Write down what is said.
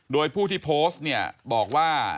โดยผู้ที่โพสต์เนี่ยบอกว่า